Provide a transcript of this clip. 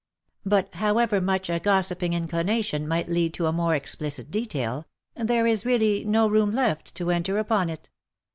But however much a gossiping inclination OF MICHAEL ARMSTRONG. 387 might lead to a more explicit detail, there is really no room left to enter upon it.